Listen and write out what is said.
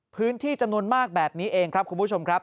พื้นที่จำนวนมากแบบนี้เองครับคุณผู้ชมครับ